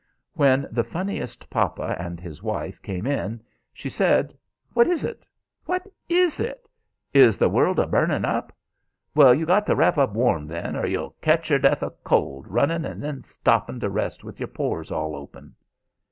When the funniest papa and his wife came in she said, 'What is it? What is it? Is the world a burnin' up? Well, you got to wrap up warm, then, or you'll ketch your death o' cold runnin' and then stoppin' to rest with your pores all open!'